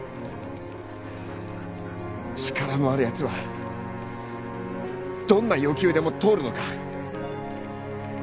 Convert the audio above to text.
力のあるやつはどんな要求でも通るのか？